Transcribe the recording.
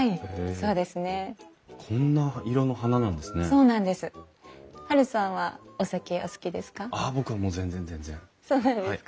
そうなんですか。